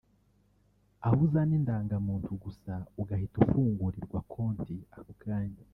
aho uzana indangamuntu gusa ugahita ufungurirrwa konti ako kanya